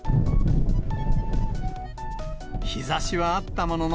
日ざしはあったものの、